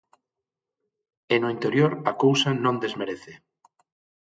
E no interior a cousa non desmerece.